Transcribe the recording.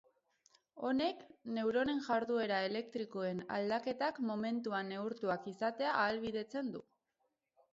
Honek, neuronen jarduera elektrikoen aldaketak momentuan neurtuak izatea ahalbidetzen du.